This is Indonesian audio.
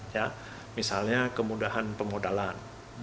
ya misalnya kemudahan pemodalan